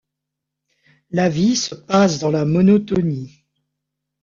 La vie se passe dans la monotonie.